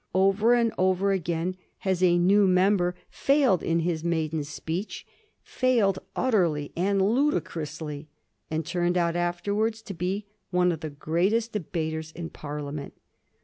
Over and over again has a new member failed in his maiden speech, failed utterly and ludicrously, and turned out afterwards to be one of the greatest debaters in Parliament.